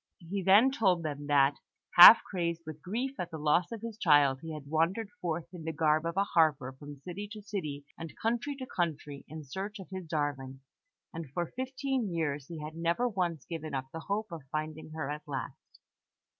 He then told them that, half crazed with grief at the loss of his child, he had wandered forth in the garb of a harper from city to city and country to country, in search of his darling; and for fifteen years he had never once given up the hope of finding her at last.